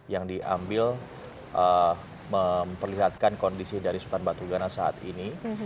yang diambil memperlihatkan kondisi dari sultan batu gana saat ini